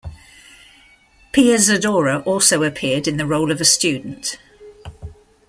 Pia Zadora also appeared in the role of a student.